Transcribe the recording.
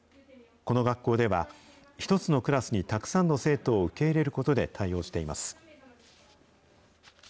この学校では、１つのクラスにたくさんの生徒を受け入れることで対応しています。